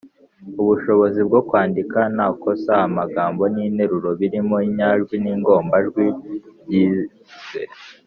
Ubushobozi bwo kwandika nta kosa amagambo n’interuro birimo inyajwi n’ingombajwi byizwe.